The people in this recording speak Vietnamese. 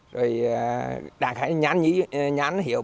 rồi đặt cái nhãn hiệu